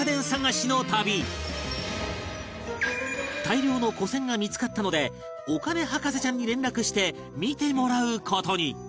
大量の古銭が見付かったのでお金博士ちゃんに連絡して見てもらう事に